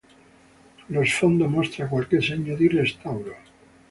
Lo sfondo mostra qualche segno di restauro.